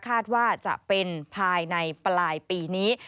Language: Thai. คาดว่าจะเป็นภายในปลายปีนี้